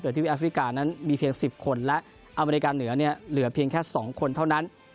ที่แอฟริกานั้นมีเพียง๑๐คนและอเมริกาเหนือเนี่ยเหลือเพียงแค่๒คนเท่านั้น